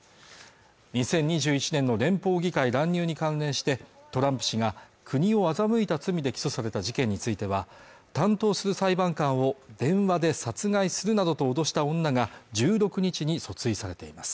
２０２１年の連邦議会乱入に関連してトランプ氏が国を欺いた罪で起訴された事件については担当する裁判官を電話で殺害するなどと脅した女が１６日に訴追されています